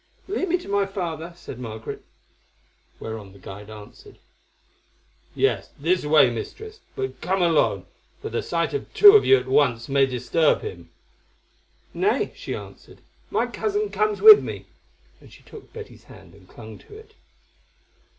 "Lead me to my father," said Margaret. Whereon the guide answered: "Yes, this way, Mistress, but come alone, for the sight of two of you at once may disturb him." "Nay," she answered, "my cousin comes with me." And she took Betty's hand and clung to it.